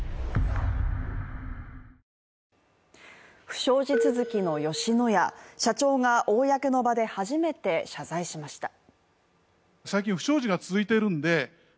不祥事続きの吉野家社長が公の場で初めて謝罪しました。